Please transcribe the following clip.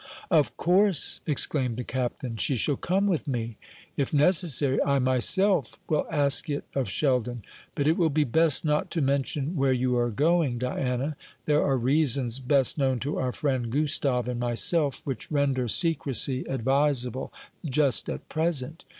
"Of course," exclaimed the Captain, "she shall come with me. If necessary, I myself will ask it of Sheldon. But it will be best not to mention where you are going, Diana. There are reasons, best known to our friend Gustave and myself, which render secrecy advisable just at present.